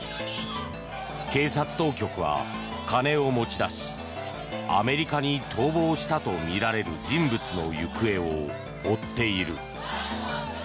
警察当局は、金を持ち出しアメリカに逃亡したとみられる人物の行方を追っている。